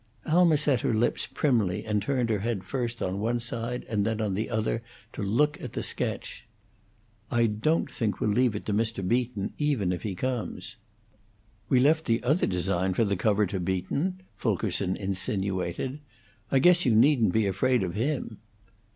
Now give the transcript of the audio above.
Alma set her lips primly and turned her head first on one side and then on the other to look at the sketch. "I don't think we'll leave it to Mr. Beaton, even if he comes." "We left the other design for the cover to Beaton," Fulkerson insinuated. "I guess you needn't be afraid of him."